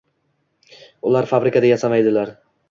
Ular fabrikada yashamaydilar